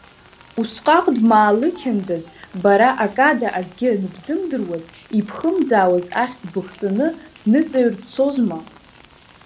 Усҟак дмаалықьындаз, бара акада акгьы аныбзымдыруаз, ибхымӡаауаз ахьӡ быхҵаны дныҵаҩр дцозма!